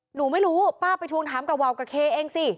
หนูไม่รู้ป้าไปทวงถามกับวาวกับเคเองสิ